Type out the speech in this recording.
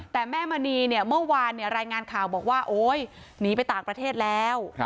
แต่แม่มณีเนี่ยเมื่อวานรายงานข่าวบอกว่าโอ๊ยหนีไปต่างประเทศแล้ว